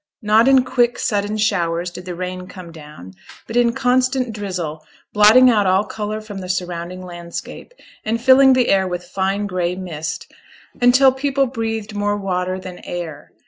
Not in quick, sudden showers did the rain come down, but in constant drizzle, blotting out all colour from the surrounding landscape, and filling the air with fine gray mist, until people breathed more water than air.